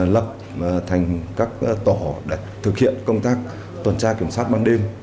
lập thành các tổ để thực hiện công tác tuần tra kiểm soát ban đêm